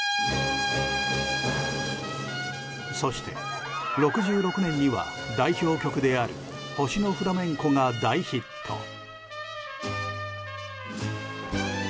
そして、６６年には代表曲である「星のフラメンコ」が大ヒット。